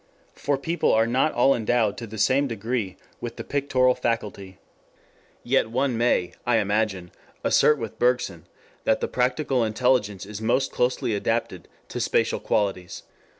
For people are not all endowed to the same degree with the pictorial faculty. Yet one may, I imagine, assert with Bergson that the practical intelligence is most closely adapted to spatial qualities.